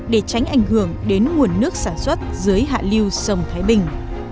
để tránh ảnh hưởng đến nguồn nước sản xuất dưới hạ liu sông thái bình